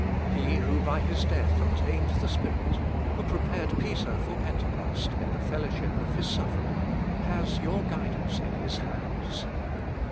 He who by His death obtained the Spirit, who prepared Peter for Pentecost in the fellowship of His suffering, has your guidance in His hands.